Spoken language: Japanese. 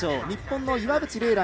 日本の岩渕麗